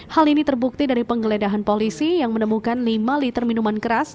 hal ini terbukti dari penggeledahan polisi yang menemukan lima liter minuman keras